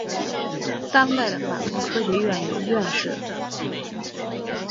当代的法国科学院有院士。